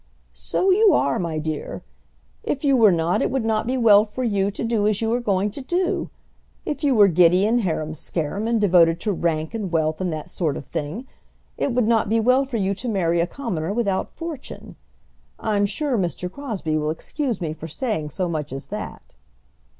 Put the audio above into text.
"So you are, my dear. If you were not it would not be well for you to do as you are going to do. If you were giddy and harum scarum, and devoted to rank and wealth and that sort of thing, it would not be well for you to marry a commoner without fortune. I'm sure Mr. Crosbie will excuse me for saying so much as that."